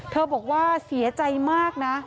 บอกว่าเสียใจมากนะ